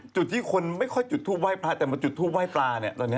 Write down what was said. จุดที่คนไม่ค่อยจุดทูปไห้พระแต่มาจุดทูปไห้ปลาเนี่ยตอนนี้